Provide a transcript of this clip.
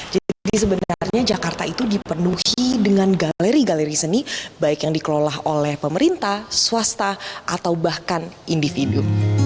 jadi sebenarnya jakarta itu dipenuhi dengan galeri galeri seni baik yang dikelola oleh pemerintah swasta atau bahkan individu